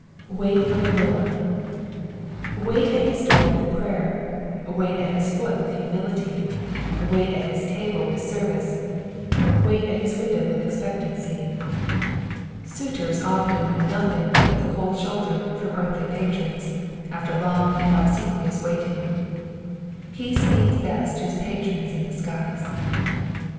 Wait on tht Lin d.'" Wait at his door with prayer ; wiiit at hia foot with humilitj ; wait at his table with service ; wait at his window with ezpectancf. Suitors often win nothing but the cold shoulder from earthly patrons after long and obsequious waiting ; he speeds best whose patron is in the skies.